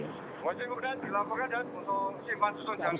untuk simpan susun jaminan